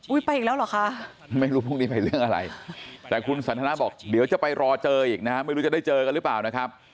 ไปอีกแล้วเหรอคะไม่รู้พรุ่งนี้ไปเรื่องอะไรแต่คุณสันทนาบอกเดี๋ยวจะไปรอเจออีกนะฮะไม่รู้จะได้เจอกันหรือเปล่านะครับ